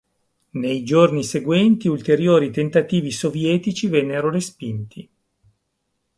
Nei giorni seguenti ulteriori tentativi sovietici vennero respinti.